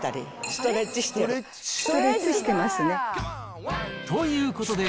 ストレッチしてますね。ということで、